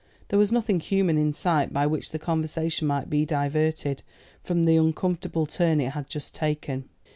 There was nothing human in sight by which the conversation might be diverted from the uncomfortable turn it had just taken.